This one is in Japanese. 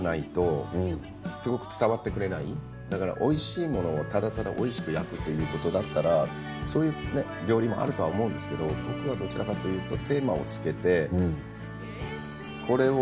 だからおいしいものをただただおいしく焼くということだったらそういう料理もあるとは思うんですけど僕はどちらかというと。